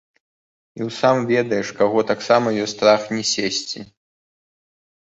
І ў сам ведаеш каго таксама ёсць страх не сесці!